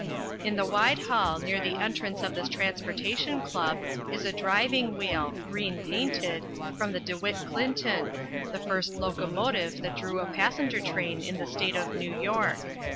In the wide hall near the entrance of this Transportation Club is a driving wheel, green painted, from the De Witt Clinton, the first locomotive that drew a passenger train in the State of New York.